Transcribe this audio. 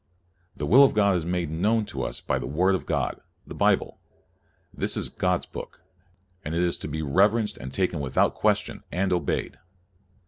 The will of God is made known to us by the Word of God, the Bible. This is God's book, and is to be reverenced, and taken without question, and obeyed.